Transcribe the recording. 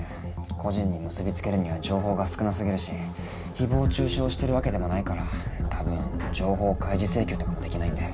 個人に結び付けるには情報が少な過ぎるし誹謗中傷をしてるわけでもないから多分情報開示請求とかもできないんで。